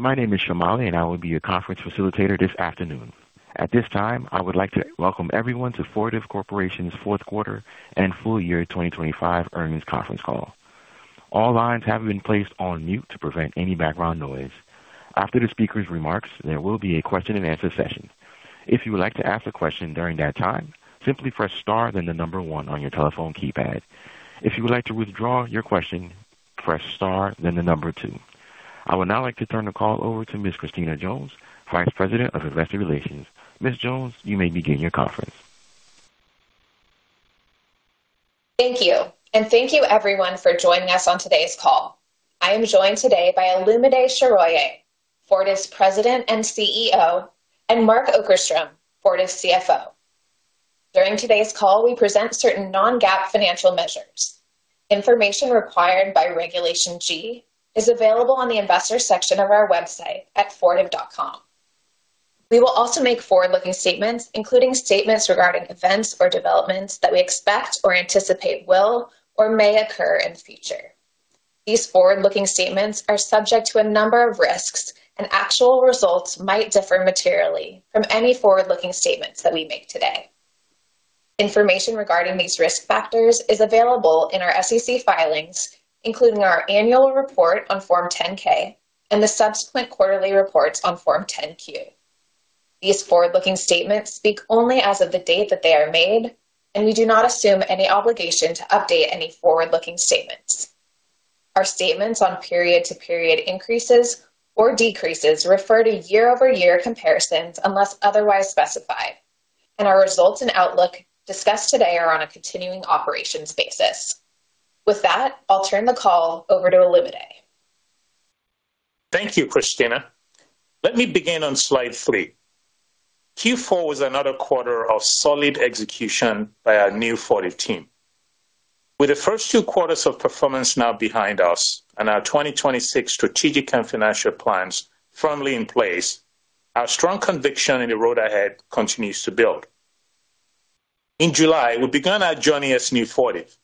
My name is Shamali, and I will be your conference facilitator this afternoon. At this time, I would like to welcome everyone to Fortive Corporation's fourth quarter and full year 2025 earnings conference call. All lines have been placed on mute to prevent any background noise. After the speaker's remarks, there will be a question-and-answer session. If you would like to ask a question during that time, simply press star, then the number one on your telephone keypad. If you would like to withdraw your question, press star, then the number two. I would now like to turn the call over to Ms. Christina Jones, Vice President of Investor Relations. Ms. Jones, you may begin your conference. Thank you, and thank you, everyone, for joining us on today's call. I am joined today by Olumide Soroye, Fortive's President and CEO, and Mark Okerstrom, Fortive's CFO. During today's call, we present certain non-GAAP financial measures. Information required by Regulation G is available on the investor section of our website at fortive.com. We will also make forward-looking statements, including statements regarding events or developments that we expect or anticipate will or may occur in the future. These forward-looking statements are subject to a number of risks, and actual results might differ materially from any forward-looking statements that we make today. Information regarding these risk factors is available in our SEC filings, including our annual report on Form 10-K and the subsequent quarterly reports on Form 10-K. These forward-looking statements speak only as of the date that they are made, and we do not assume any obligation to update any forward-looking statements. Our statements on period-to-period increases or decreases refer to year-over-year comparisons unless otherwise specified, and our results and outlook discussed today are on a continuing operations basis. With that, I'll turn the call over to Olumide. Thank you, Christina. Let me begin on slide three. Q4 was another quarter of solid execution by our new Fortive team. With the first two quarters of performance now behind us and our 2026 strategic and financial plans firmly in place, our strong conviction in the road ahead continues to build. In July, we began our journey as New Fortive,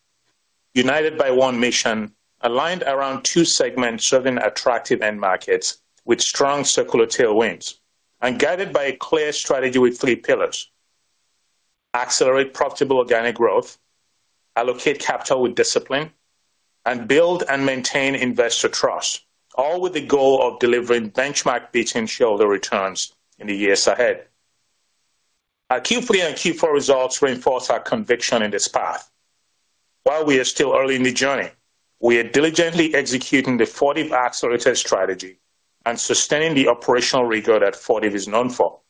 united by one mission, aligned around two segments, serving attractive end markets with strong circular tailwinds, and guided by a clear strategy with three pillars: accelerate profitable organic growth, allocate capital with discipline, and build and maintain investor trust, all with the goal of delivering benchmark-beating shareholder returns in the years ahead. Our Q3 and Q4 results reinforce our conviction in this path. While we are still early in the journey, we are diligently executing the Fortive Accelerated Strategy and sustaining the operational rigor that Fortive is known for.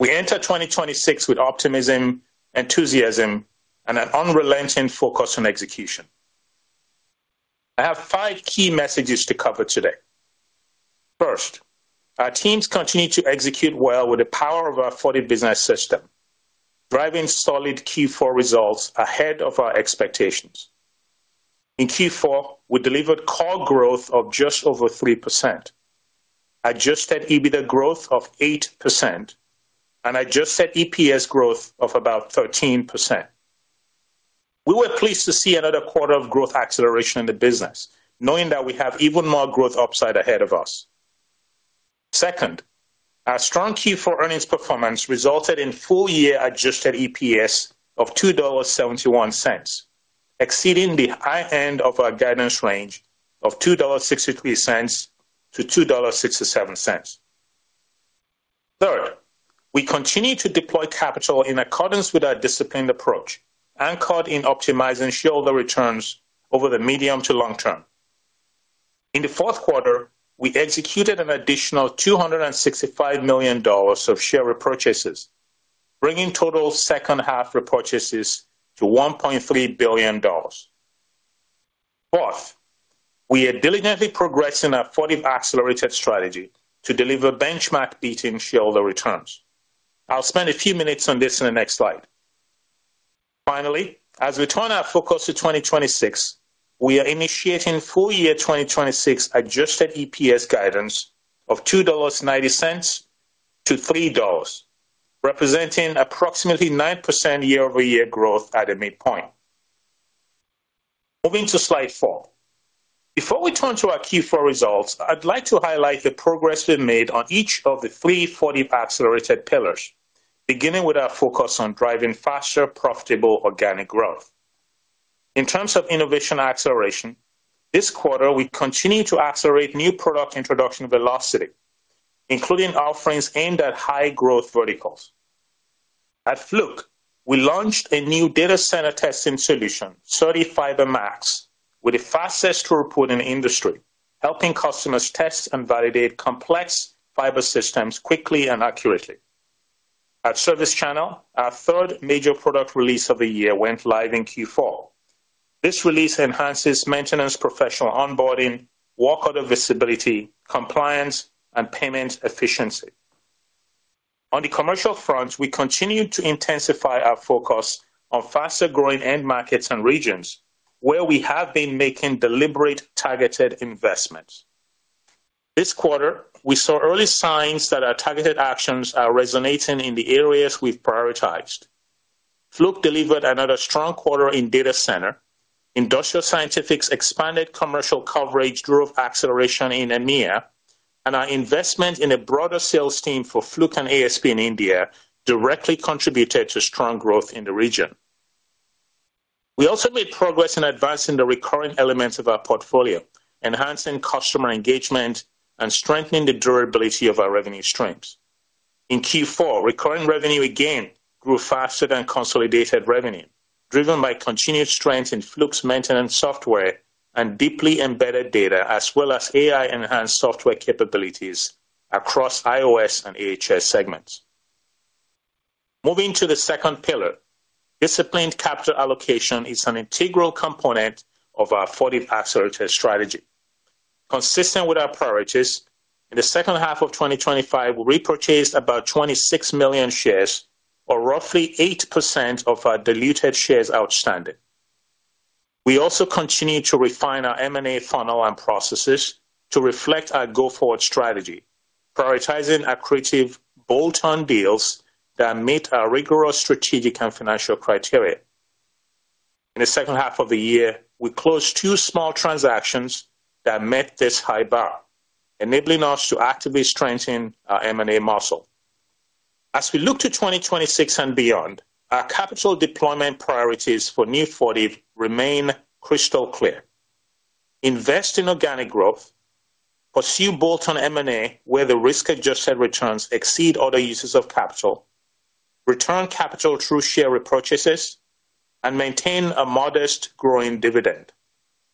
We enter 2026 with optimism, enthusiasm, and an unrelenting focus on execution. I have five key messages to cover today. First, our teams continue to execute well with the power of our Fortive Business System, driving solid Q4 results ahead of our expectations. In Q4, we delivered Core Growth of just over 3%, Adjusted EBITDA growth of 8%, and Adjusted EPS growth of about 13%. We were pleased to see another quarter of growth acceleration in the business, knowing that we have even more growth upside ahead of us. Second, our strong Q4 earnings performance resulted in full-year Adjusted EPS of $2.71, exceeding the high end of our guidance range of $2.63-$2.67. Third, we continue to deploy capital in accordance with our disciplined approach, anchored in optimizing shareholder returns over the medium to long term. In the fourth quarter, we executed an additional $265 million of share repurchases, bringing total second-half repurchases to $1.3 billion. Fourth, we are diligently progressing our Fortive Accelerated Strategy to deliver benchmark-beating shareholder returns. I'll spend a few minutes on this in the next slide. Finally, as we turn our focus to 2026, we are initiating full-year 2026 Adjusted EPS guidance of $2.90-$3, representing approximately 9% year-over-year growth at the midpoint. Moving to slide four. Before we turn to our Q4 results, I'd like to highlight the progress we've made on each of the three Fortive accelerated pillars, beginning with our focus on driving faster, profitable organic growth. In terms of innovation acceleration, this quarter, we continued to accelerate new product introduction velocity, including offerings aimed at high-growth verticals. At Fluke, we launched a new data center testing solution, CertiFiber Max, with the fastest throughput in the industry, helping customers test and validate complex fiber systems quickly and accurately. At ServiceChannel, our third major product release of the year went live in Q4. This release enhances maintenance, professional onboarding, work order visibility, compliance, and payment efficiency. On the commercial front, we continue to intensify our focus on faster-growing end markets and regions where we have been making deliberate, targeted investments. This quarter, we saw early signs that our targeted actions are resonating in the areas we've prioritized....Fluke delivered another strong quarter in data center. Industrial Scientific's expanded commercial coverage drove acceleration in EMEA, and our investment in a broader sales team for Fluke and ASP in India directly contributed to strong growth in the region. We also made progress in advancing the recurring elements of our portfolio, enhancing customer engagement, and strengthening the durability of our revenue streams. In Q4, recurring revenue again grew faster than consolidated revenue, driven by continued strength in Fluke's maintenance software and deeply embedded data, as well as AI-enhanced software capabilities across IOS and AHS segments. Moving to the second pillar, disciplined capital allocation is an integral component of our Fortive Acceleration strategy. Consistent with our priorities, in the second half of 2025, we repurchased about 26 million shares, or roughly 8% of our diluted shares outstanding. We also continued to refine our M&A funnel and processes to reflect our go-forward strategy, prioritizing accretive bolt-on deals that meet our rigorous strategic and financial criteria. In the second half of the year, we closed two small transactions that met this high bar, enabling us to actively strengthen our M&A muscle. As we look to 2026 and beyond, our capital deployment priorities for new Fortive remain crystal clear: invest in organic growth, pursue bolt-on M&A, where the risk-adjusted returns exceed other uses of capital, return capital through share repurchases, and maintain a modest growing dividend,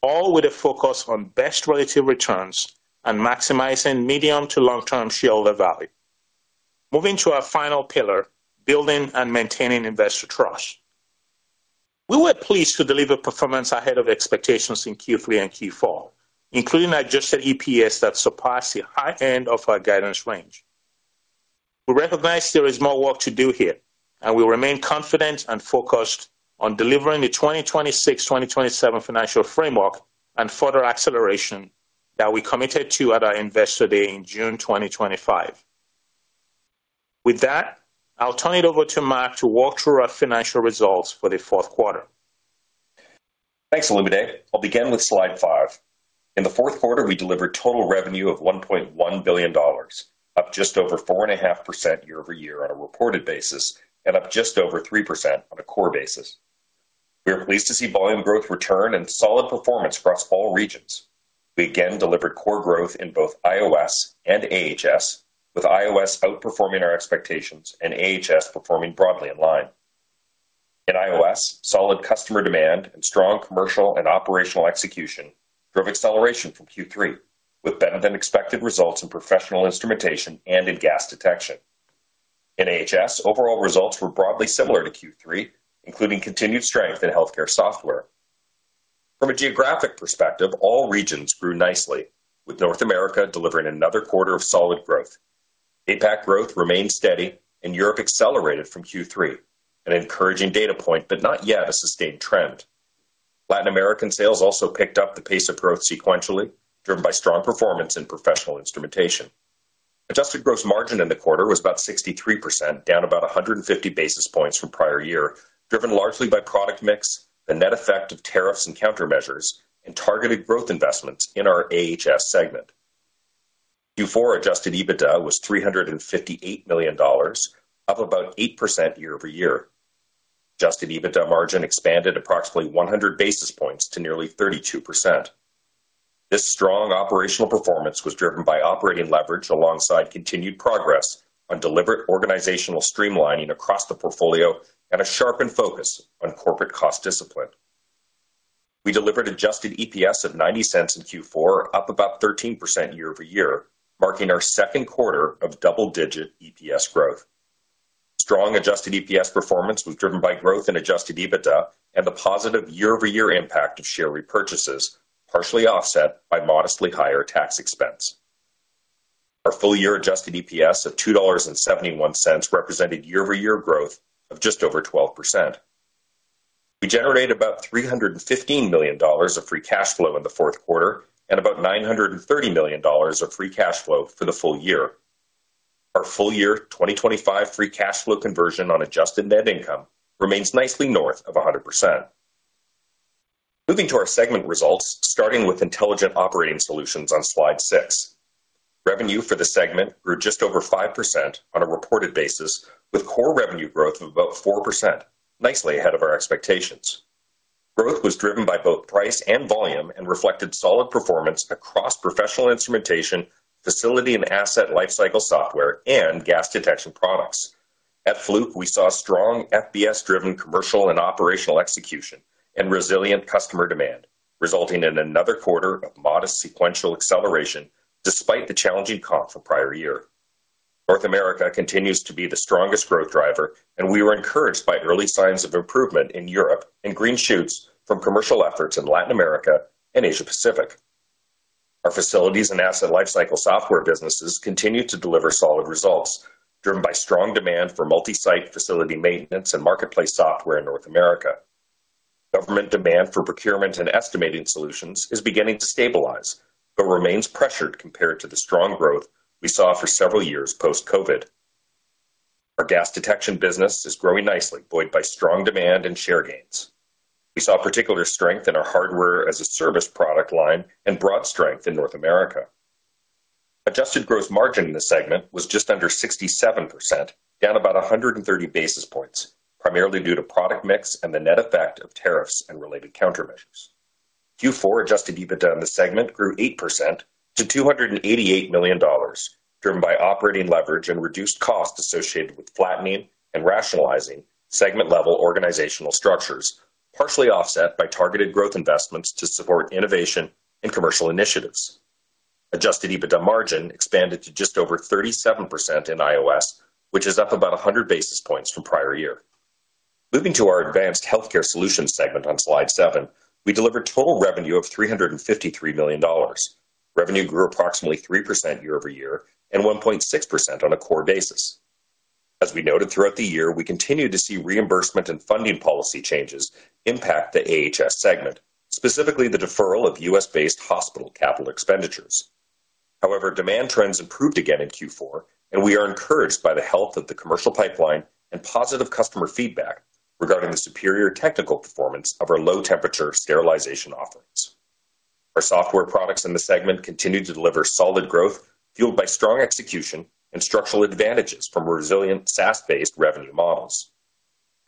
all with a focus on best relative returns and maximizing medium to long-term shareholder value. Moving to our final pillar, building and maintaining investor trust. We were pleased to deliver performance ahead of expectations in Q3 and Q4, including Adjusted EPS that surpassed the high end of our guidance range. We recognize there is more work to do here, and we remain confident and focused on delivering the 2026, 2027 financial framework and further acceleration that we committed to at our Investor Day in June 2025. With that, I'll turn it over to Mark to walk through our financial results for the fourth quarter. Thanks, Olumide. I'll begin with slide 5. In the fourth quarter, we delivered total revenue of $1.1 billion, up just over 4.5% year-over-year on a reported basis, and up just over 3% on a core basis. We are pleased to see volume growth return and solid performance across all regions. We again delivered core growth in both IOS and AHS, with IOS outperforming our expectations and AHS performing broadly in line. In IOS, solid customer demand and strong commercial and operational execution drove acceleration from Q3, with better-than-expected results in professional instrumentation and in gas detection. In AHS, overall results were broadly similar to Q3, including continued strength in healthcare software. From a geographic perspective, all regions grew nicely, with North America delivering another quarter of solid growth. APAC growth remained steady, and Europe accelerated from Q3, an encouraging data point, but not yet a sustained trend. Latin American sales also picked up the pace of growth sequentially, driven by strong performance in professional instrumentation. Adjusted Gross Margin in the quarter was about 63%, down about 150 basis points from prior year, driven largely by product mix, the net effect of tariffs and countermeasures, and targeted growth investments in our AHS segment. Q4 Adjusted EBITDA was $358 million, up about 8% year-over-year. Adjusted EBITDA margin expanded approximately 100 basis points to nearly 32%. This strong operational performance was driven by operating leverage, alongside continued progress on deliberate organizational streamlining across the portfolio and a sharpened focus on corporate cost discipline. We delivered Adjusted EPS of $0.90 in Q4, up about 13% year over year, marking our second quarter of double-digit EPS growth. Strong Adjusted EPS performance was driven by growth in Adjusted EBITDA and the positive year-over-year impact of share repurchases, partially offset by modestly higher tax expense. Our full-year Adjusted EPS of $2.71 represented year-over-year growth of just over 12%. We generated about $315 million of free cash flow in the fourth quarter and about $930 million of free cash flow for the full year. Our full-year 2025 free cash flow conversion on adjusted net income remains nicely north of 100%. Moving to our segment results, starting with Intelligent Operating Solutions on slide 6. Revenue for the segment grew just over 5% on a reported basis, with core revenue growth of about 4%, nicely ahead of our expectations. Growth was driven by both price and volume and reflected solid performance across professional instrumentation, facility and asset lifecycle software, and gas detection products. At Fluke, we saw strong FBS-driven commercial and operational execution and resilient customer demand, resulting in another quarter of modest sequential acceleration despite the challenging comp from prior year. North America continues to be the strongest growth driver, and we were encouraged by early signs of improvement in Europe and green shoots from commercial efforts in Latin America and Asia Pacific. Our facilities and asset lifecycle software businesses continued to deliver solid results, driven by strong demand for multi-site facility maintenance and marketplace software in North America.... Government demand for procurement and estimating solutions is beginning to stabilize, but remains pressured compared to the strong growth we saw for several years post-COVID. Our gas detection business is growing nicely, buoyed by strong demand and share gains. We saw particular strength in our hardware as a service product line and broad strength in North America. Adjusted Gross Margin in this segment was just under 67%, down about 130 basis points, primarily due to product mix and the net effect of tariffs and related countermeasures. Q4 Adjusted EBITDA in the segment grew 8% to $288 million, driven by operating leverage and reduced costs associated with flattening and rationalizing segment-level organizational structures, partially offset by targeted growth investments to support innovation and commercial initiatives. Adjusted EBITDA margin expanded to just over 37% in IOS, which is up about 100 basis points from prior year. Moving to our Advanced Healthcare Solutions segment on slide 7, we delivered total revenue of $353 million. Revenue grew approximately 3% year-over-year and 1.6% on a core basis. As we noted throughout the year, we continued to see reimbursement and funding policy changes impact the AHS segment, specifically the deferral of U.S.-based hospital capital expenditures. However, demand trends improved again in Q4, and we are encouraged by the health of the commercial pipeline and positive customer feedback regarding the superior technical performance of our low-temperature sterilization offerings. Our software products in the segment continued to deliver solid growth, fueled by strong execution and structural advantages from resilient SaaS-based revenue models.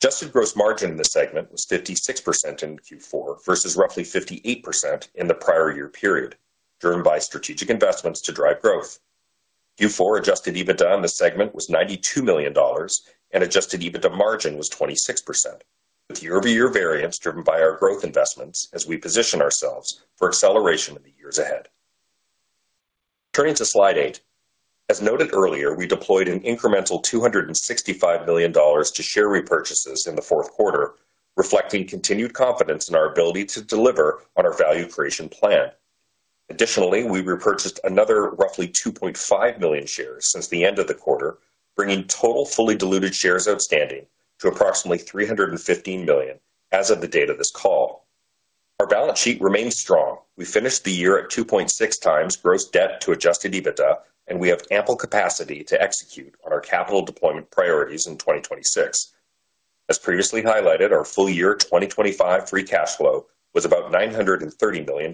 Adjusted gross margin in this segment was 56% in Q4, versus roughly 58% in the prior year period, driven by strategic investments to drive growth. Q4 Adjusted EBITDA in this segment was $92 million, and Adjusted EBITDA margin was 26%, with year-over-year variance driven by our growth investments as we position ourselves for acceleration in the years ahead. Turning to slide eight. As noted earlier, we deployed an incremental $265 million to share repurchases in the fourth quarter, reflecting continued confidence in our ability to deliver on our value creation plan. Additionally, we repurchased another roughly 2.5 million shares since the end of the quarter, bringing total fully diluted shares outstanding to approximately 315 million as of the date of this call. Our balance sheet remains strong. We finished the year at 2.6x gross debt to Adjusted EBITDA, and we have ample capacity to execute on our capital deployment priorities in 2026. As previously highlighted, our full year 2025 free cash flow was about $930 million,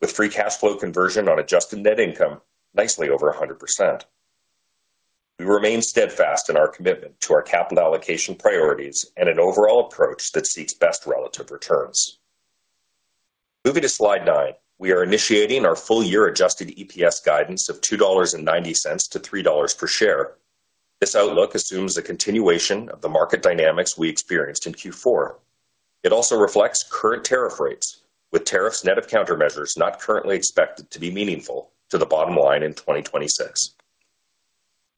with free cash flow conversion on adjusted net income nicely over 100%. We remain steadfast in our commitment to our capital allocation priorities and an overall approach that seeks best relative returns. Moving to slide 9, we are initiating our full year Adjusted EPS guidance of $2.90-$3.00 per share. This outlook assumes a continuation of the market dynamics we experienced in Q4. It also reflects current tariff rates, with tariffs net of countermeasures not currently expected to be meaningful to the bottom line in 2026.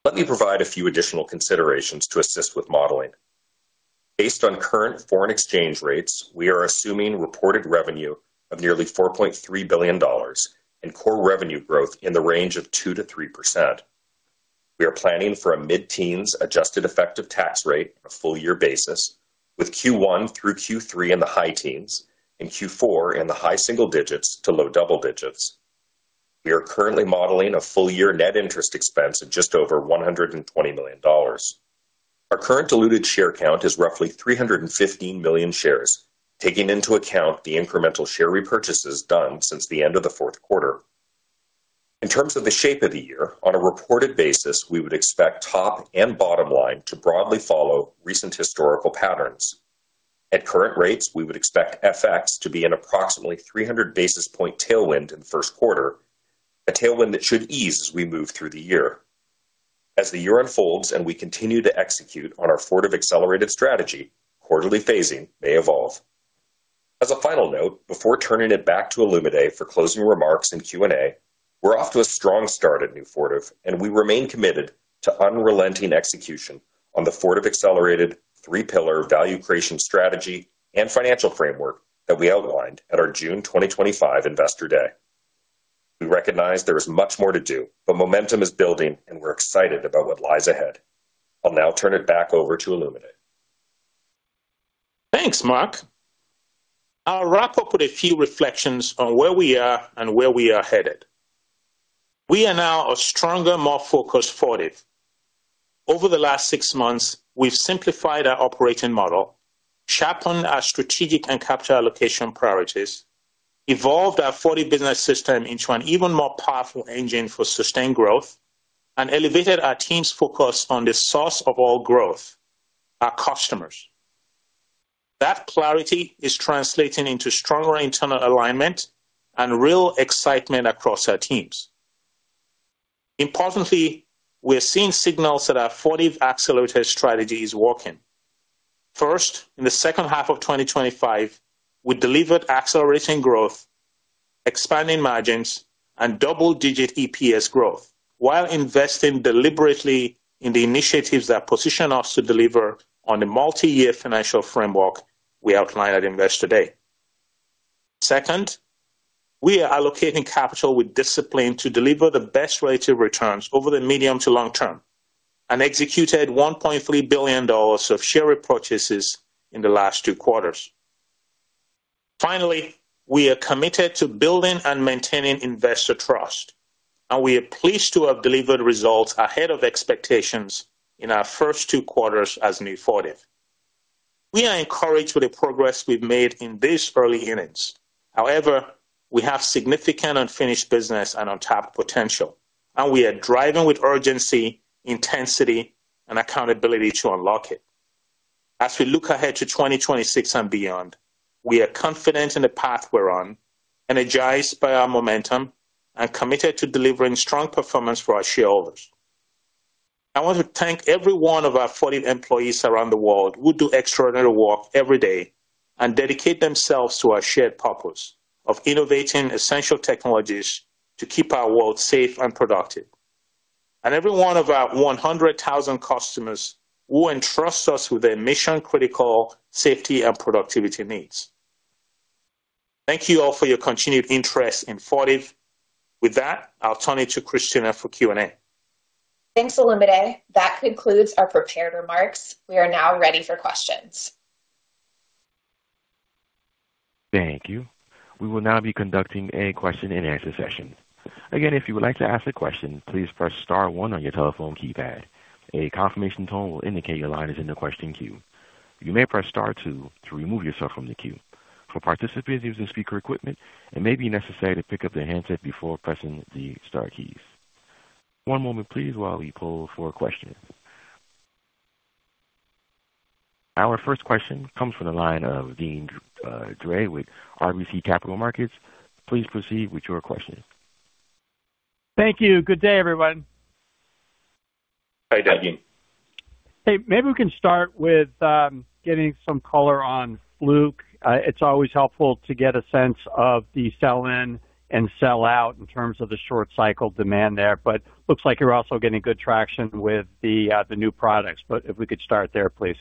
Let me provide a few additional considerations to assist with modeling. Based on current foreign exchange rates, we are assuming reported revenue of nearly $4.3 billion and core revenue growth in the range of 2%-3%. We are planning for a mid-teens adjusted effective tax rate on a full year basis, with Q1 through Q3 in the high teens and Q4 in the high single digits to low double digits. We are currently modeling a full year net interest expense of just over $120 million. Our current diluted share count is roughly 315 million shares, taking into account the incremental share repurchases done since the end of the fourth quarter. In terms of the shape of the year, on a reported basis, we would expect top and bottom line to broadly follow recent historical patterns. At current rates, we would expect FX to be an approximately 300 basis point tailwind in the first quarter, a tailwind that should ease as we move through the year. As the year unfolds and we continue to execute on our Fortive accelerated strategy, quarterly phasing may evolve. As a final note, before turning it back to Olumide for closing remarks and Q&A, we're off to a strong start at New Fortive, and we remain committed to unrelenting execution on the Fortive accelerated three-pillar value creation strategy and financial framework that we outlined at our June 2025 Investor Day. We recognize there is much more to do, but momentum is building and we're excited about what lies ahead. I'll now turn it back over to Olumide. Thanks, Mark. I'll wrap up with a few reflections on where we are and where we are headed. We are now a stronger, more focused Fortive. Over the last six months, we've simplified our operating model, sharpened our strategic and capital allocation priorities, evolved our Fortive Business System into an even more powerful engine for sustained growth, and elevated our team's focus on the source of all growth, our customers. That clarity is translating into stronger internal alignment and real excitement across our teams. Importantly, we are seeing signals that our Fortive accelerated strategy is working. First, in the second half of 2025, we delivered accelerating growth, expanding margins, and double-digit EPS growth while investing deliberately in the initiatives that position us to deliver on the multi-year financial framework we outlined at Investor Day.... Second, we are allocating capital with discipline to deliver the best relative returns over the medium to long term, and executed $1.3 billion of share repurchases in the last two quarters. Finally, we are committed to building and maintaining investor trust, and we are pleased to have delivered results ahead of expectations in our first two quarters as New Fortive. We are encouraged with the progress we've made in these early innings. However, we have significant unfinished business and untapped potential, and we are driving with urgency, intensity, and accountability to unlock it. As we look ahead to 2026 and beyond, we are confident in the path we're on, energized by our momentum, and committed to delivering strong performance for our shareholders. I want to thank every one of our Fortive employees around the world who do extraordinary work every day and dedicate themselves to our shared purpose of innovating essential technologies to keep our world safe and productive. Every one of our 100,000 customers who entrust us with their mission-critical safety and productivity needs. Thank you all for your continued interest in Fortive. With that, I'll turn it to Christina for Q&A. Thanks, Olumide. That concludes our prepared remarks. We are now ready for questions. Thank you. We will now be conducting a question-and-answer session. Again, if you would like to ask a question, please press star one on your telephone keypad. A confirmation tone will indicate your line is in the question queue. You may press star two to remove yourself from the queue. For participants using speaker equipment, it may be necessary to pick up the handset before pressing the star keys. One moment, please, while we poll for questions. Our first question comes from the line of Deane Dray with RBC Capital Markets. Please proceed with your question. Thank you. Good day, everyone. Hi, Deane. Hey, maybe we can start with getting some color on Fluke. It's always helpful to get a sense of the sell-in and sell-out in terms of the short cycle demand there, but looks like you're also getting good traction with the new products. But if we could start there, please.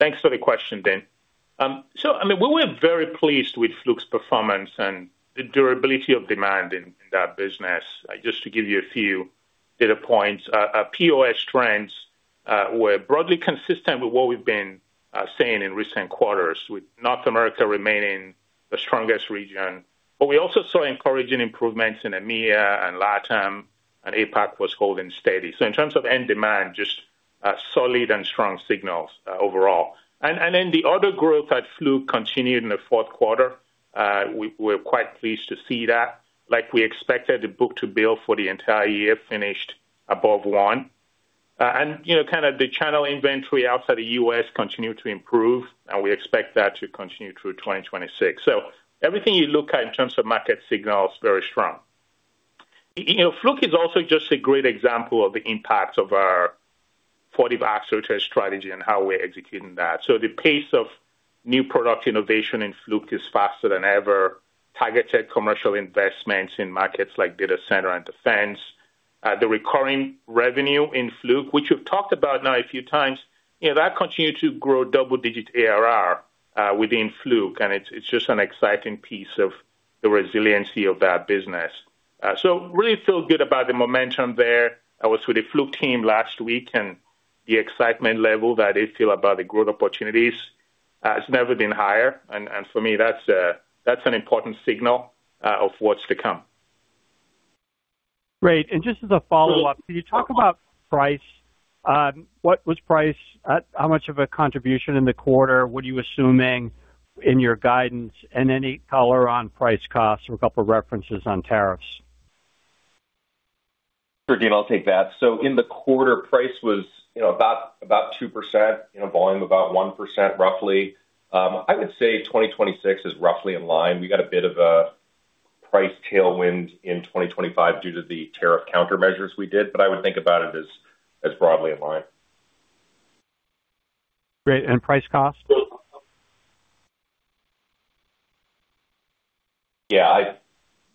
Thanks for the question, Deane. So I mean, we were very pleased with Fluke's performance and the durability of demand in, in that business. Just to give you a few data points, our POS trends were broadly consistent with what we've been seeing in recent quarters, with North America remaining the strongest region. But we also saw encouraging improvements in EMEA and LATAM, and APAC was holding steady. So in terms of end demand, just solid and strong signals overall. And then the order growth at Fluke continued in the fourth quarter. We're quite pleased to see that. Like we expected, the book-to-bill for the entire year finished above 1. And, you know, kind of the channel inventory outside the U.S. continued to improve, and we expect that to continue through 2026. So everything you look at in terms of market signal is very strong. You know, Fluke is also just a great example of the impact of our Fortive Acceleration strategy and how we're executing that. So the pace of new product innovation in Fluke is faster than ever. Targeted commercial investments in markets like data center and defense. The recurring revenue in Fluke, which we've talked about now a few times, you know, that continued to grow double-digit ARR within Fluke, and it's, it's just an exciting piece of the resiliency of that business. So really feel good about the momentum there. I was with the Fluke team last week, and the excitement level that they feel about the growth opportunities has never been higher, and, and for me, that's a, that's an important signal of what's to come. Great. And just as a follow-up, can you talk about price? What was price? How much of a contribution in the quarter were you assuming in your guidance? And any color on price costs or a couple of references on tariffs? Sure, Deane, I'll take that. So in the quarter, price was, you know, about, about 2%, you know, volume about 1%, roughly. I would say 2026 is roughly in line. We got a bit of a price tailwind in 2025 due to the tariff countermeasures we did, but I would think about it as, as broadly in line. Great. And price cost? Yeah,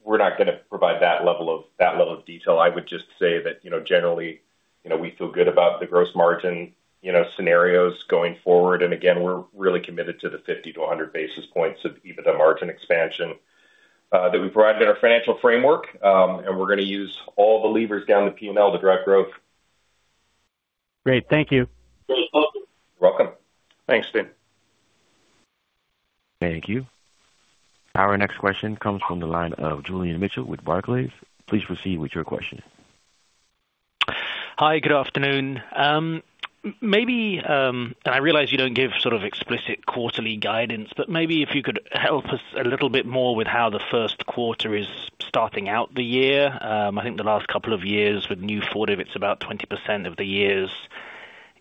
we're not going to provide that level of, that level of detail. I would just say that, you know, generally, you know, we feel good about the gross margin, you know, scenarios going forward. And again, we're really committed to the 50-100 basis points of EBITDA margin expansion that we provided in our financial framework, and we're going to use all the levers down the P&L to drive growth. Great. Thank you. You're welcome. Thanks, Deane. Thank you. Our next question comes from the line of Julian Mitchell with Barclays. Please proceed with your question. Hi, good afternoon. Maybe, and I realize you don't give sort of explicit quarterly guidance, but maybe if you could help us a little bit more with how the first quarter is starting out the year. I think the last couple of years with new Fortive, it's about 20% of the year's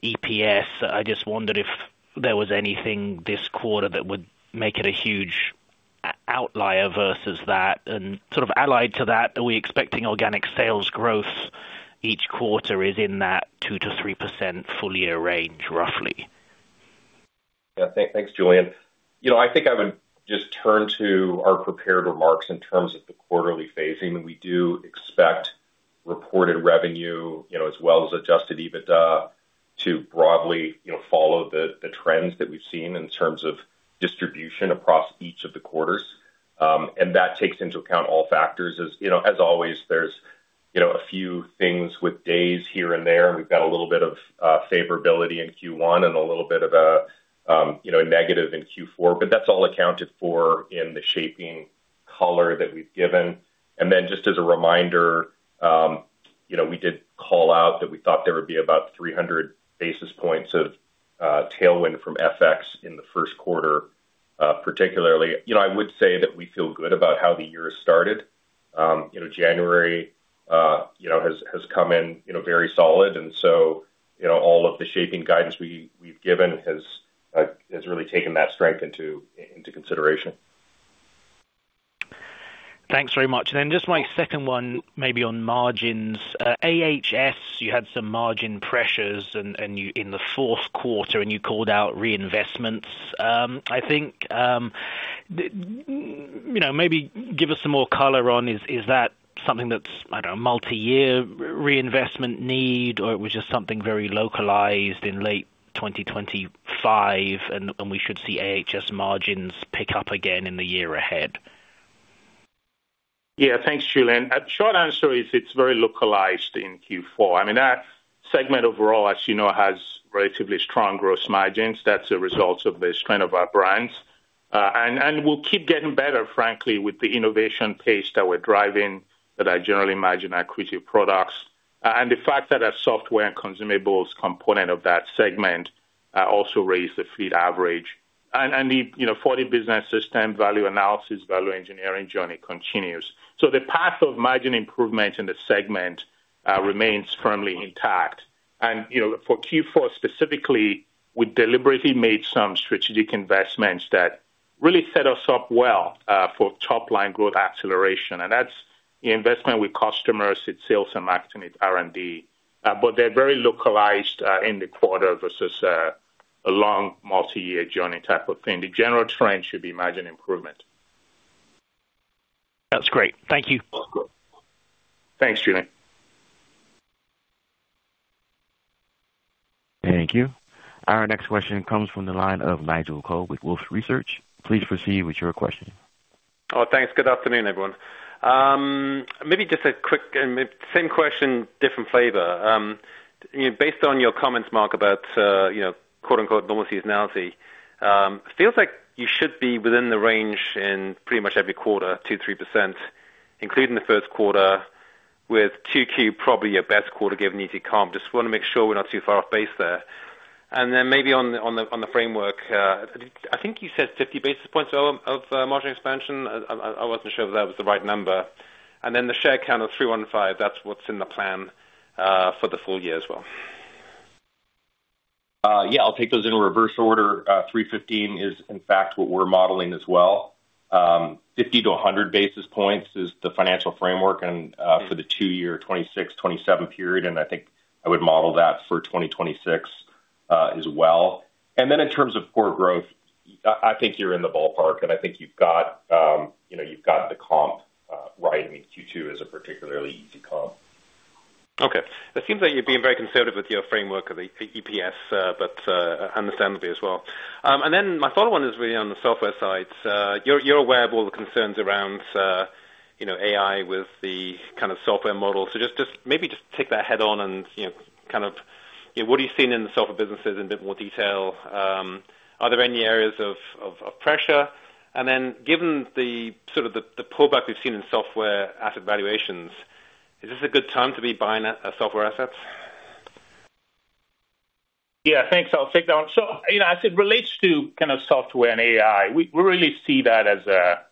EPS. I just wondered if there was anything this quarter that would make it a huge outlier versus that. And sort of allied to that, are we expecting organic sales growth each quarter is in that 2%-3% full year range, roughly? Yeah. Thanks, Julian. You know, I think I would just turn to our prepared remarks in terms of the quarterly phasing, and we do expect reported revenue, you know, as well as Adjusted EBITDA to broadly, you know, follow the trends that we've seen in terms of distribution across each of the quarters. And that takes into account all factors. As you know, as always, there's, you know, a few things with days here and there, and we've got a little bit of favorability in Q1 and a little bit of a negative in Q4, but that's all accounted for in the shaping color that we've given. And then just as a reminder, you know, we did call out that we thought there would be about 300 basis points of tailwind from FX in the first quarter, particularly. You know, I would say that we feel good about how the year has started. You know, January, you know, has come in, you know, very solid, and so, you know, all of the shaping guidance we've given has really taken that strength into consideration. Thanks very much. And then just my second one, maybe on margins. AHS, you had some margin pressures and you in the fourth quarter, and you called out reinvestments. I think, you know, maybe give us some more color on, is that something that's, I don't know, multi-year reinvestment need, or it was just something very localized in late 2025, and we should see AHS margins pick up again in the year ahead? Yeah. Thanks, Julian. Short answer is it's very localized in Q4. I mean, that segment overall, as you know, has relatively strong gross margins. That's a result of the strength of our brands. And we'll keep getting better, frankly, with the innovation pace that we're driving, that I generally imagine our creative products. And the fact that our software and consumables component of that segment also raise the fleet average. And the, you know, Fortive Business System value analysis, value engineering journey continues. So the path of margin improvement in the segment remains firmly intact. And, you know, for Q4 specifically, we deliberately made some strategic investments that really set us up well for top-line growth acceleration, and that's the investment with customers, it's sales and marketing, it's R&D. But they're very localized in the quarter versus a long multi-year journey type of thing. The general trend should be margin improvement. That's great. Thank you. Thanks, Julian. Thank you. Our next question comes from the line of Nigel Coe with Wolfe Research. Please proceed with your question. Oh, thanks. Good afternoon, everyone. Maybe just a quick and same question, different flavor. You know, based on your comments, Mark, about, you know, quote, unquote, "normal seasonality," feels like you should be within the range in pretty much every quarter, 2%-3%, including the first quarter, with 2Q probably your best quarter, given easy comp. Just wanna make sure we're not too far off base there. And then maybe on the framework, I think you said 50 basis points of margin expansion. I wasn't sure if that was the right number. And then the share count of 315, that's what's in the plan for the full year as well. Yeah, I'll take those in reverse order. 3.15 is, in fact, what we're modeling as well. 50-100 basis points is the financial framework and for the two-year, 2026, 2027 period, and I think I would model that for 2026 as well. And then in terms of core growth, I think you're in the ballpark, and I think you've got, you know, you've got the comp right. I mean, Q2 is a particularly easy comp. Okay. It seems like you're being very conservative with your framework of the EPS, but understandably as well. And then my follow-on is really on the software side. You're aware of all the concerns around, you know, AI with the kind of software model. So just maybe take that head-on and, you know, kind of, what are you seeing in the software businesses in a bit more detail? Are there any areas of pressure? And then given the sort of pullback we've seen in software asset valuations, is this a good time to be buying a software assets? Yeah, thanks. I'll take that one. So, you know, as it relates to kind of software and AI, we really see that as a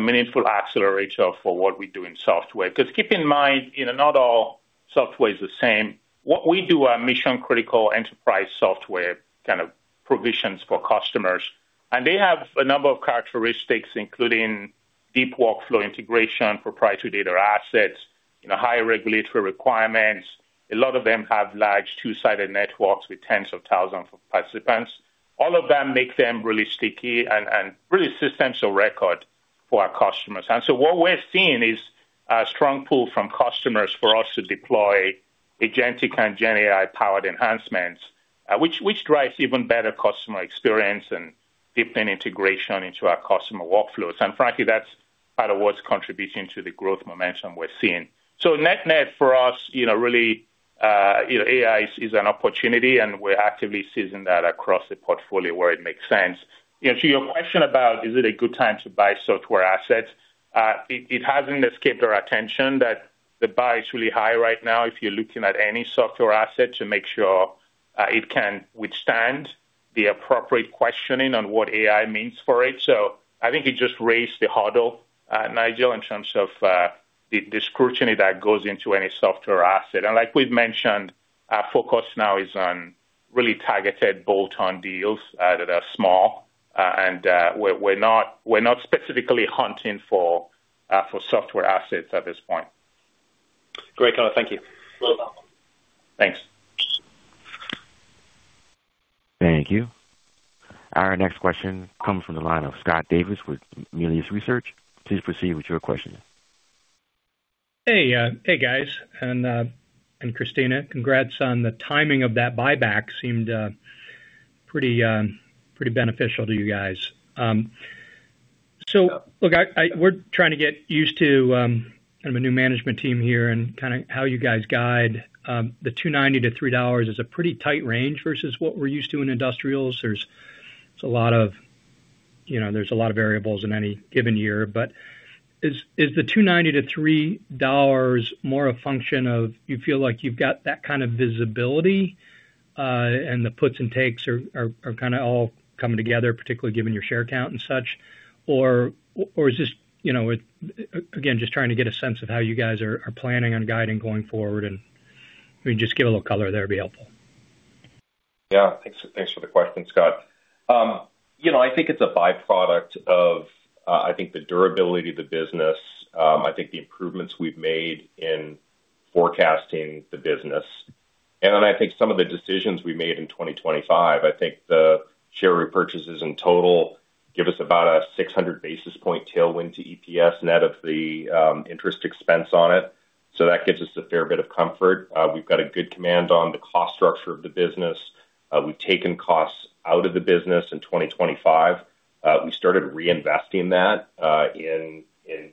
meaningful accelerator for what we do in software. Because keep in mind, you know, not all software is the same. What we do are mission-critical enterprise software kind of provisions for customers, and they have a number of characteristics, including deep workflow integration, proprietary data assets, you know, higher regulatory requirements. A lot of them have large two-sided networks with tens of thousands of participants. All of them make them really sticky and really systems of record for our customers. And so what we're seeing is a strong pull from customers for us to deploy Agentic AI and Gen AI-powered enhancements, which drives even better customer experience and deepening integration into our customer workflows. Frankly, that's by far the worst contribution to the growth momentum we're seeing. So net-net for us, you know, really, you know, AI is an opportunity, and we're actively seizing that across the portfolio where it makes sense. You know, to your question about, is it a good time to buy software assets? It hasn't escaped our attention that the bar is really high right now if you're looking at any software asset to make sure it can withstand the appropriate questioning on what AI means for it. So I think it just raised the hurdle, Nigel, in terms of the scrutiny that goes into any software asset. Like we've mentioned, our focus now is on really targeted bolt-on deals that are small, and we're not specifically hunting for software assets at this point. Great. Got it. Thank you. You're welcome. Thanks.... Thank you. Our next question comes from the line of Scott Davis with Melius Research. Please proceed with your question. Hey, guys, and Christina, congrats on the timing of that buyback. Seemed pretty beneficial to you guys. So look, we're trying to get used to kind of a new management team here and kind of how you guys guide. The $2.90-$3.00 is a pretty tight range versus what we're used to in industrials. There's a lot of, you know, there's a lot of variables in any given year. But is the $2.90-$3.00 more a function of you feel like you've got that kind of visibility, and the puts and takes are kind of all coming together, particularly given your share count and such? Or is this, you know, again, just trying to get a sense of how you guys are planning on guiding going forward, and if you can just give a little color there would be helpful. Yeah, thanks for the question, Scott. You know, I think it's a byproduct of I think the durability of the business, I think the improvements we've made in forecasting the business, and then I think some of the decisions we made in 2025. I think the share repurchases in total give us about a 600 basis point tailwind to EPS net of the interest expense on it. So that gives us a fair bit of comfort. We've got a good command on the cost structure of the business. We've taken costs out of the business in 2025. We started reinvesting that in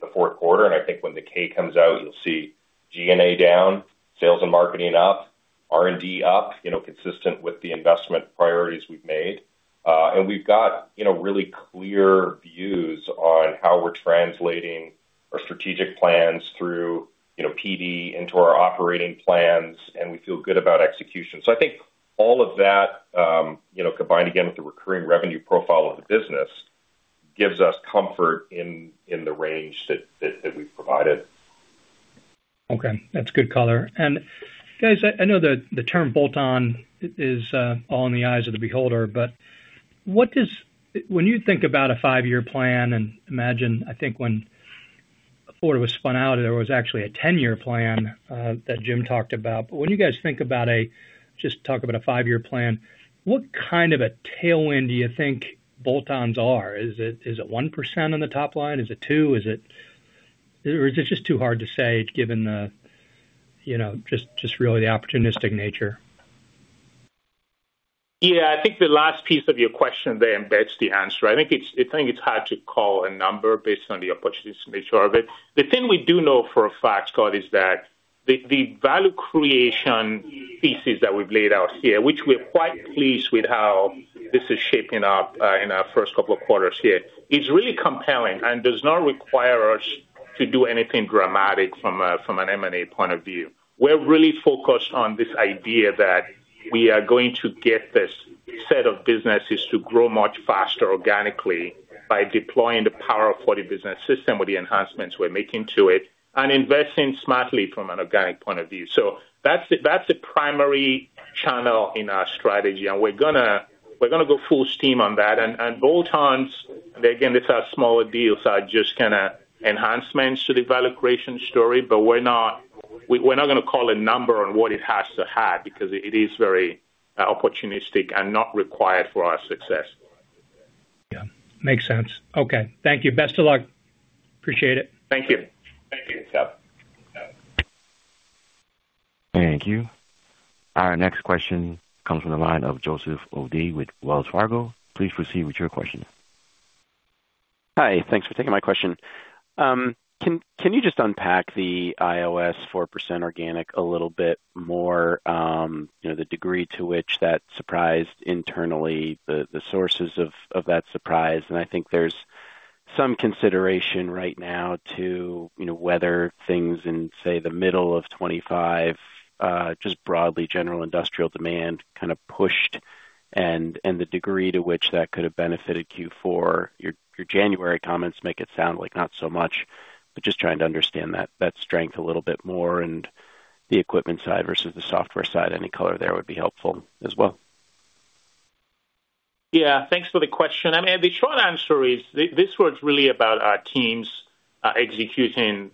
the fourth quarter, and I think when the K comes out, you'll see G&A down, sales and marketing up, R&D up, you know, consistent with the investment priorities we've made. and we've got, you know, really clear views on how we're translating our strategic plans through, you know, PD into our operating plans, and we feel good about execution. So I think all of that, you know, combined again with the recurring revenue profile of the business, gives us comfort in the range that we've provided. Okay, that's good color. And guys, I know the term bolt-on is all in the eyes of the beholder, but what does—when you think about a five-year plan, and imagine, I think when before it was spun out, there was actually a 10-year plan that Jim talked about. But when you guys think about, just talk about a five-year plan, what kind of a tailwind do you think bolt-ons are? Is it 1% on the top line? Is it 2%? Is it... Or is it just too hard to say, given the, you know, just really the opportunistic nature? Yeah, I think the last piece of your question there embeds the answer. I think it's, I think it's hard to call a number based on the opportunistic nature of it. The thing we do know for a fact, Scott, is that the value creation thesis that we've laid out here, which we're quite pleased with how this is shaping up in our first couple of quarters here, is really compelling and does not require us to do anything dramatic from a M&A point of view. We're really focused on this idea that we are going to get this set of businesses to grow much faster organically by deploying the power of the Fortive Business System with the enhancements we're making to it, and investing smartly from an organic point of view. So that's the, that's the primary channel in our strategy, and we're gonna, we're gonna go full steam on that. And, and bolt-ons, again, these are smaller deals, are just kind of enhancements to the value creation story, but we're not, we're not gonna call a number on what it has to have because it is very, opportunistic and not required for our success. Yeah, makes sense. Okay. Thank you. Best of luck. Appreciate it. Thank you. Thank you, Scott. Thank you. Our next question comes from the line of Joseph O'Dea with Wells Fargo. Please proceed with your question. Hi, thanks for taking my question. Can you just unpack the IOS 4% organic a little bit more, you know, the degree to which that surprised internally, the sources of that surprise? I think there's some consideration right now to, you know, whether things in, say, the middle of 25, just broadly, general industrial demand kind of pushed and the degree to which that could have benefited Q4. Your January comments make it sound like not so much, but just trying to understand that strength a little bit more and the equipment side versus the software side. Any color there would be helpful as well. Yeah, thanks for the question. I mean, the short answer is, this was really about our teams executing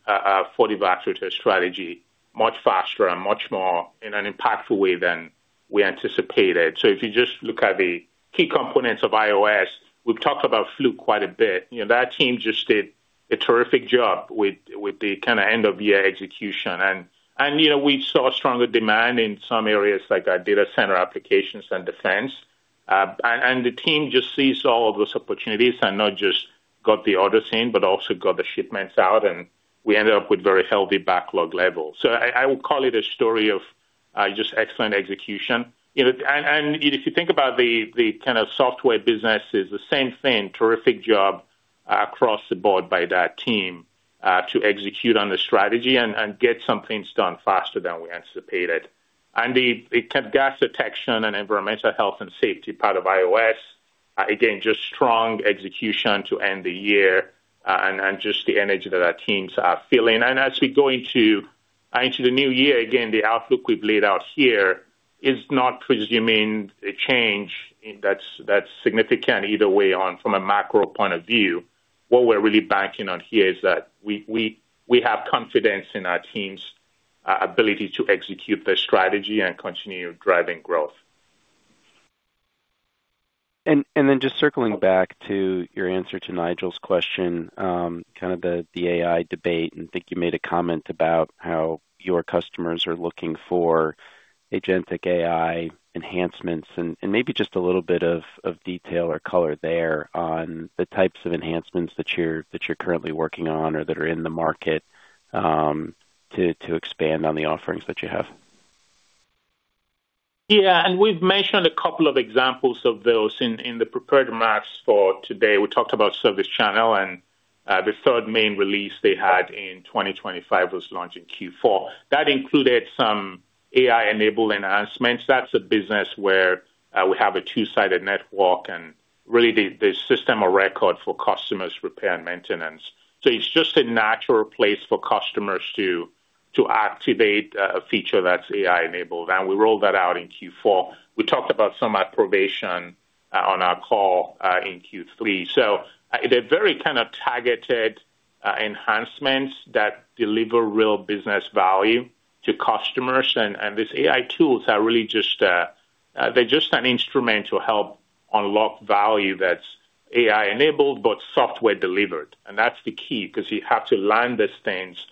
Fortive Business System strategy much faster and much more in an impactful way than we anticipated. So if you just look at the key components of IOS, we've talked about Fluke quite a bit. You know, that team just did a terrific job with the kind of end-of-year execution. And you know, we saw stronger demand in some areas like our data center applications and defense. And the team just seized all of those opportunities and not just got the orders in, but also got the shipments out, and we ended up with very healthy backlog levels. So I would call it a story of just excellent execution. You know, and if you think about the kind of software businesses, the same thing, terrific job across the board by that team to execute on the strategy and get some things done faster than we anticipated. And the gas detection and environmental health and safety part of iOS, again, just strong execution to end the year, and just the energy that our teams are feeling. And as we go into the new year, again, the outlook we've laid out here is not presuming a change that's significant either way on from a macro point of view. What we're really banking on here is that we have confidence in our teams' ability to execute their strategy and continue driving growth. And then just circling back to your answer to Nigel's question, kind of the AI debate. I think you made a comment about how your customers are looking for Agentic AI enhancements, and maybe just a little bit of detail or color there on the types of enhancements that you're currently working on or that are in the market, to expand on the offerings that you have. Yeah, and we've mentioned a couple of examples of those in the prepared remarks for today. We talked about ServiceChannel, and the third main release they had in 2025 was launched in Q4. That included some AI-enabled enhancements. That's a business where we have a two-sided network and really the system of record for customers repair and maintenance. So it's just a natural place for customers to activate a feature that's AI-enabled, and we rolled that out in Q4. We talked about some at Provation on our call in Q3. So they're very kind of targeted enhancements that deliver real business value to customers. And these AI tools are really just they're just an instrument to help unlock value that's AI-enabled, but software delivered. That's the key, because you have to land these things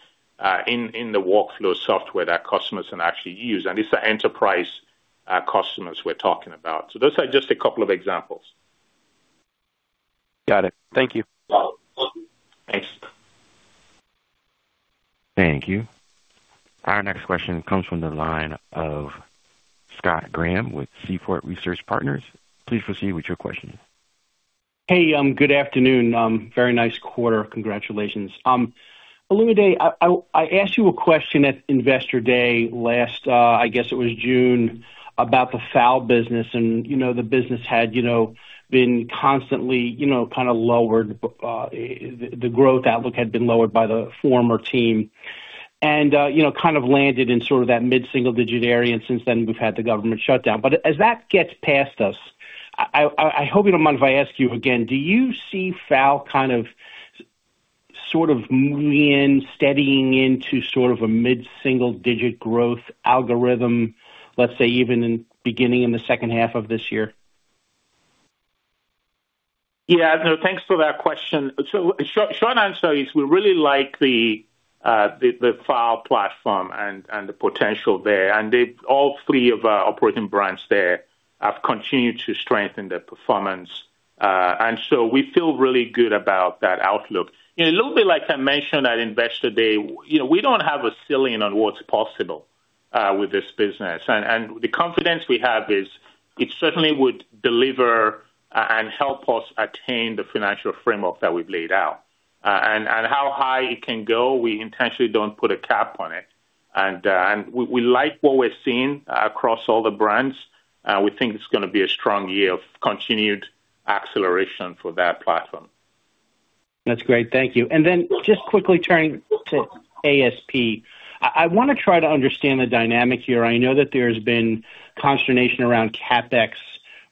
in the workflow software that customers can actually use, and it's the enterprise customers we're talking about. So those are just a couple of examples. Got it. Thank you. Well, thanks. Thank you. Our next question comes from the line of Scott Graham with Seaport Research Partners. Please proceed with your question. Hey, good afternoon. Very nice quarter. Congratulations. Olumide, I asked you a question at Investor Day last, I guess it was June, about the FALS business. And, you know, the business had, you know, been constantly, you know, kind of lowered, the growth outlook had been lowered by the former team and, you know, kind of landed in sort of that mid-single digit area, and since then, we've had the government shutdown. But as that gets past us, I hope you don't mind if I ask you again: Do you see FALS kind of, sort of moving in, steadying into sort of a mid-single digit growth algorithm, let's say, even in beginning in the second half of this year? Yeah. No, thanks for that question. So short answer is, we really like the FALS platform and the potential there, and they, all three of our operating brands there have continued to strengthen their performance. And so we feel really good about that outlook. You know, a little bit like I mentioned at Investor Day, you know, we don't have a ceiling on what's possible with this business. And the confidence we have is it certainly would deliver and help us attain the financial framework that we've laid out. And how high it can go, we intentionally don't put a cap on it. And we like what we're seeing across all the brands. We think it's gonna be a strong year of continued acceleration for that platform. That's great. Thank you. And then just quickly turning to ASP. I wanna try to understand the dynamic here. I know that there's been consternation around CapEx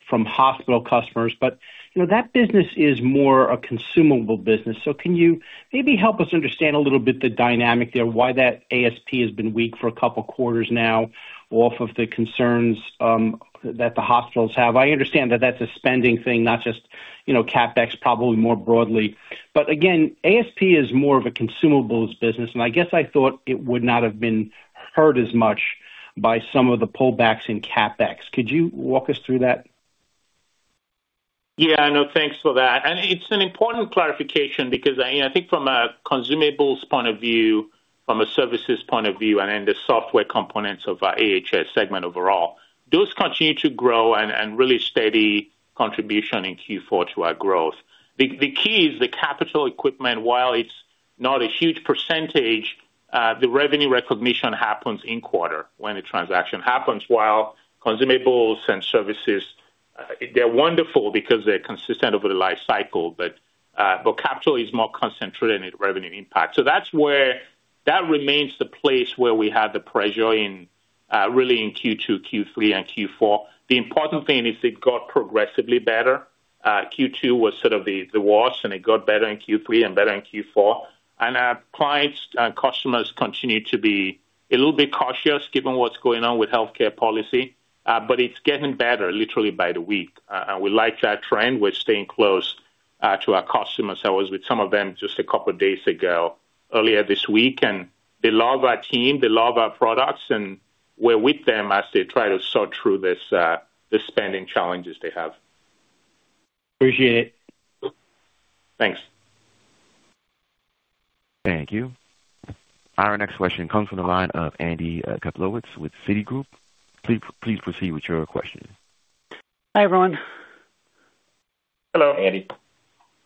from hospital customers, but, you know, that business is more a consumable business. So can you maybe help us understand a little bit the dynamic there, why that ASP has been weak for a couple quarters now off of the concerns that the hospitals have? I understand that that's a spending thing, not just, you know, CapEx, probably more broadly. But again, ASP is more of a consumables business, and I guess I thought it would not have been hurt as much by some of the pullbacks in CapEx. Could you walk us through that? Yeah, no, thanks for that. And it's an important clarification because, I, I think from a consumables point of view, from a services point of view, and then the software components of our AHS segment overall, those continue to grow and, and really steady contribution in Q4 to our growth. The, the key is the capital equipment. While it's not a huge percentage, the revenue recognition happens in quarter when the transaction happens. While consumables and services, they're wonderful because they're consistent over the life cycle, but, but capital is more concentrated in the revenue impact. So that's where that remains the place where we had the pressure in, really in Q2, Q3, and Q4. The important thing is it got progressively better. Q2 was sort of the, the worst, and it got better in Q3 and better in Q4. Our clients and customers continue to be a little bit cautious given what's going on with healthcare policy, but it's getting better literally by the week. We like that trend. We're staying close to our customers. I was with some of them just a couple days ago, earlier this week, and they love our team, they love our products, and we're with them as they try to sort through this, the spending challenges they have. Appreciate it. Thanks. Thank you. Our next question comes from the line of Andy Kaplowitz with Citigroup. Please, please proceed with your question. Hi, everyone. Hello, Andy.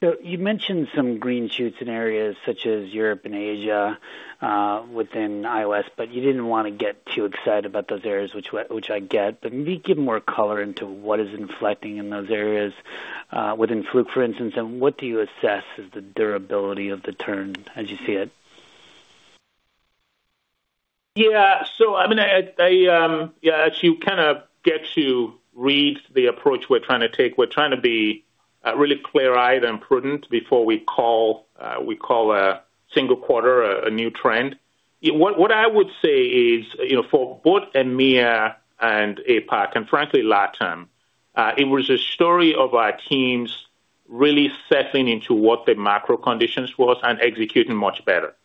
So you mentioned some green shoots in areas such as Europe and Asia, within iOS, but you didn't want to get too excited about those areas, which I get, but maybe give more color into what is inflecting in those areas, within Fluke, for instance, and what do you assess is the durability of the turn as you see it? Yeah. So I mean, yeah, as you kind of get to read the approach we're trying to take, we're trying to be really clear-eyed and prudent before we call a single quarter a new trend. What I would say is, you know, for both EMEA and APAC, and frankly, LatAm, it was a story of our teams really settling into what the macro conditions was and executing much better.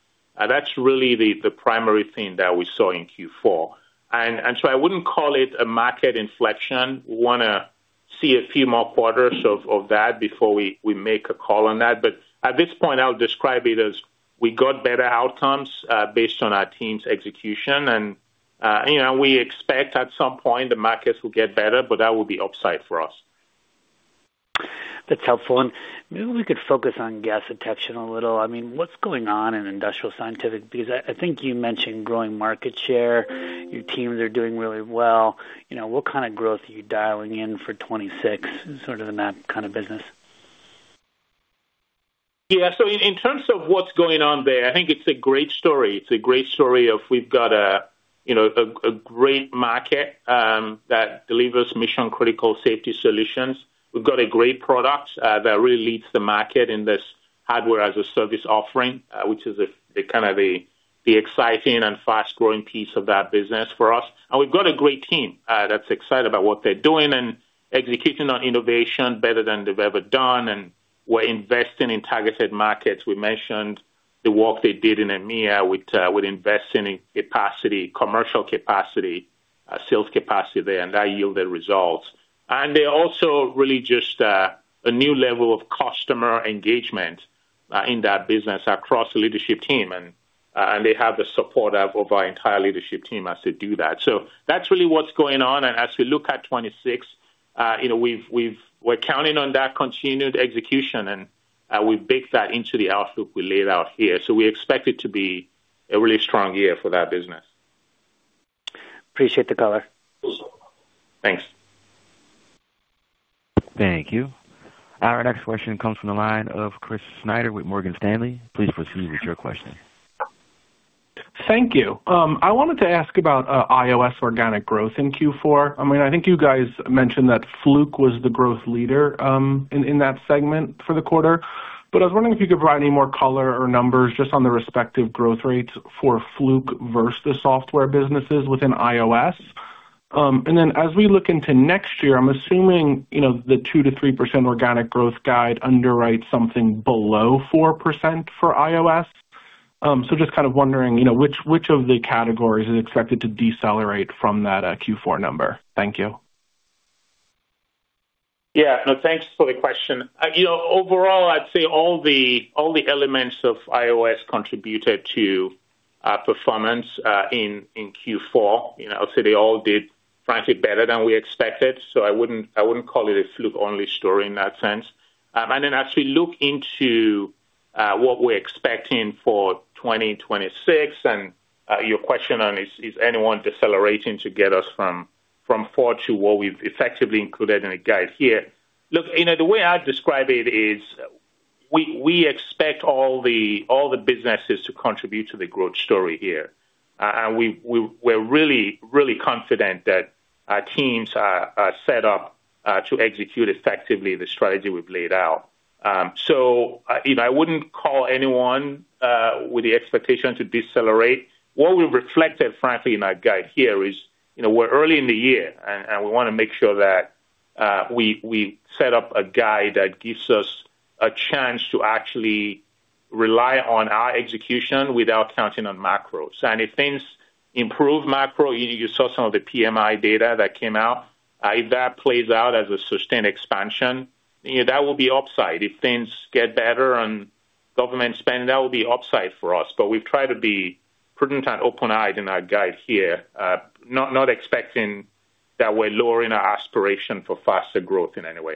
And so I wouldn't call it a market inflection. We wanna see a few more quarters of that before we make a call on that. But at this point, I would describe it as we got better outcomes based on our team's execution. You know, we expect at some point the markets will get better, but that will be upside for us. That's helpful. And maybe we could focus on gas detection a little. I mean, what's going on in Industrial Scientific? Because I, I think you mentioned growing market share. Your teams are doing really well. You know, what kind of growth are you dialing in for 2026 in sort of in that kind of business? Yeah, so in terms of what's going on there, I think it's a great story. It's a great story of we've got, you know, a great market that delivers mission-critical safety solutions. We've got a great product that really leads the market in this Hardware as a Service offering, which is the kind of the exciting and fast-growing piece of that business for us. And we've got a great team that's excited about what they're doing and executing on innovation better than they've ever done, and we're investing in targeted markets. We mentioned the work they did in EMEA with investing in capacity, commercial capacity, sales capacity there, and that yielded results. And they're also really just a new level of customer engagement in that business across the leadership team, and they have the support of our entire leadership team as they do that. So that's really what's going on. And as we look at 2026, you know, we've we're counting on that continued execution, and we've baked that into the outlook we laid out here. So we expect it to be a really strong year for that business. Appreciate the color. Thanks. Thank you. Our next question comes from the line of Chris Snyder with Morgan Stanley. Please proceed with your question. Thank you. I wanted to ask about IOS organic growth in Q4. I mean, I think you guys mentioned that Fluke was the growth leader in that segment for the quarter. But I was wondering if you could provide any more color or numbers just on the respective growth rates for Fluke versus the software businesses within IOS. And then as we look into next year, I'm assuming, you know, the 2%-3% organic growth guide underwrites something below 4% for IOS. So just kind of wondering, you know, which of the categories is expected to decelerate from that Q4 number? Thank you. Yeah. No, thanks for the question. You know, overall, I'd say all the elements of IOS contributed to performance in Q4. You know, I'd say they all did, frankly, better than we expected, so I wouldn't call it a Fluke-only story in that sense. And then as we look into what we're expecting for 2026, and your question on, is anyone decelerating to get us from 4 to what we've effectively included in the guide here? Look, you know, the way I'd describe it is we expect all the businesses to contribute to the growth story here. And we're really confident that our teams are set up to execute effectively the strategy we've laid out. So, you know, I wouldn't call anyone with the expectation to decelerate. What we reflected, frankly, in our guide here is, you know, we're early in the year, and we wanna make sure that we set up a guide that gives us a chance to actually rely on our execution without counting on macros. If things improve macro, you saw some of the PMI data that came out. If that plays out as a sustained expansion, you know, that will be upside. If things get better on government spending, that will be upside for us. But we've tried to be prudent and open-eyed in our guide here, not expecting that we're lowering our aspiration for faster growth in any way.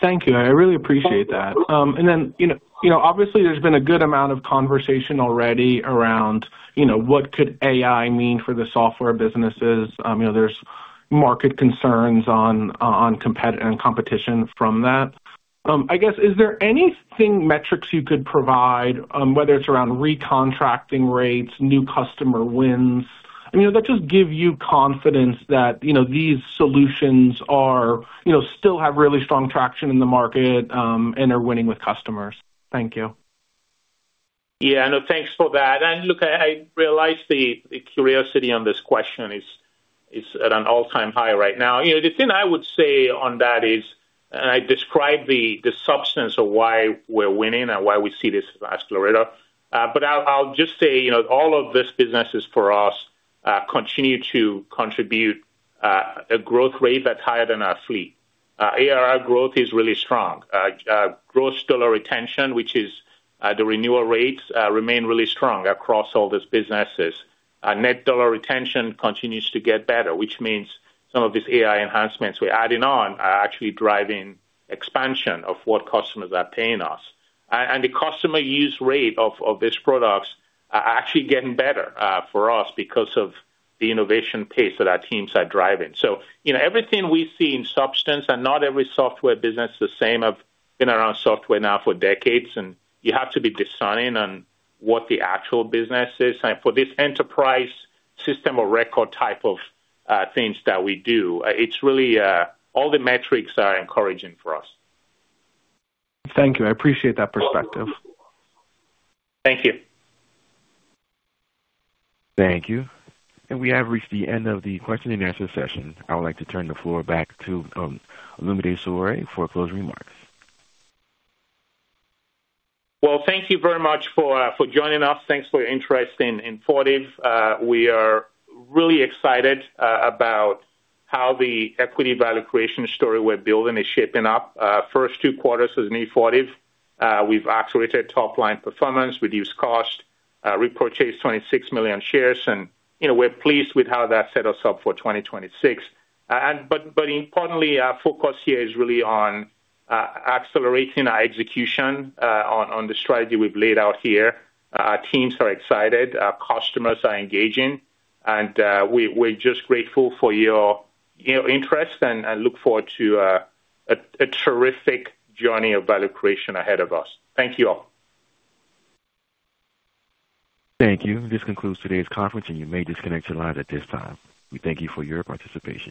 Thank you. I really appreciate that. And then, you know, you know, obviously, there's been a good amount of conversation already around, you know, what could AI mean for the software businesses. You know, there's market concerns on competition from that. I guess, is there anything metrics you could provide, whether it's around recontracting rates, new customer wins, I mean, that just give you confidence that, you know, these solutions are, you know, still have really strong traction in the market, and are winning with customers? Thank you. Yeah, no, thanks for that. And look, I realize the curiosity on this question is at an all-time high right now. You know, the thing I would say on that is, and I described the substance of why we're winning and why we see this accelerator. But I'll just say, you know, all of these businesses for us continue to contribute a growth rate that's higher than our fleet. ARR growth is really strong. Gross dollar retention, which is the renewal rates, remain really strong across all these businesses. Our net dollar retention continues to get better, which means some of these AI enhancements we're adding on are actually driving expansion of what customers are paying us. The customer use rate of these products is actually getting better for us because of the innovation pace that our teams are driving. So, you know, everything we see in substance, and not every software business is the same. I've been around software now for decades, and you have to be discerning on what the actual business is. And for this enterprise system of record type of things that we do, it's really all the metrics are encouraging for us. Thank you. I appreciate that perspective. Thank you. Thank you. We have reached the end of the question-and-answer session. I would like to turn the floor back to Olumide Soroye for closing remarks. Well, thank you very much for joining us. Thanks for your interest in Fortive. We are really excited about how the equity value creation story we're building is shaping up. First two quarters as new Fortive, we've accelerated top-line performance, reduced cost, repurchased 26 million shares, and, you know, we're pleased with how that set us up for 2026. But importantly, our focus here is really on accelerating our execution on the strategy we've laid out here. Our teams are excited, our customers are engaging, and we're just grateful for your interest and I look forward to a terrific journey of value creation ahead of us. Thank you all. Thank you. This concludes today's conference, and you may disconnect your lines at this time. We thank you for your participation.